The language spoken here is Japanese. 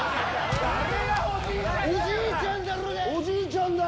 誰がおじいちゃんだよ。